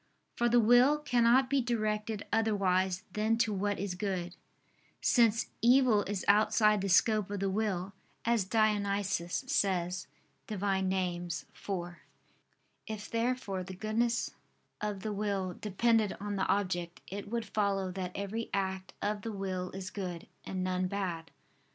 For the will cannot be directed otherwise than to what is good: since "evil is outside the scope of the will," as Dionysius says (Div. Nom. iv). If therefore the goodness of the will depended on the object, it would follow that every act of the will is good, and none bad.